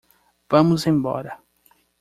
Vamos embora.